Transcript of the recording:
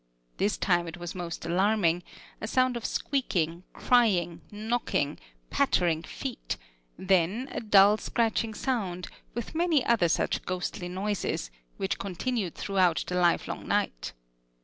This time it was most alarming: a sound of squeaking, crying, knocking, pattering feet; then a dull scratching sound, with many other such ghostly noises, which continued throughout the livelong night.